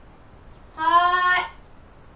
はい。